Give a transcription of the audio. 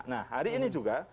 nah hari ini juga